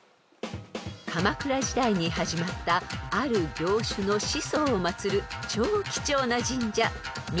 ［鎌倉時代に始まったある業種の始祖を祭る超貴重な神社みかみ神社］